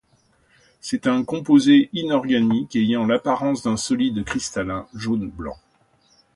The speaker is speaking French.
C'est un composé inorganique ayant l'apparence d'un solide cristallin jaune-blanc.